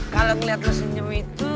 kalau ngeliat lo senyum itu